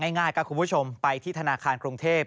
ง่ายครับคุณผู้ชมไปที่ธนาคารกรุงเทพ